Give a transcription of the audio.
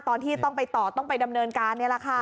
ตอนที่ต้องไปต่อต้องไปดำเนินการนี่แหละค่ะ